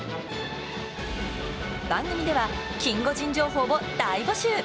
番組ではキンゴジン情報を大募集。